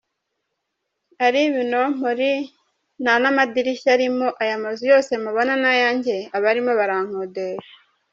Ari ibinompori nta n’ amadirishya arimo, aya mazu yose mubona ni ayanjye abarimo barankodesha.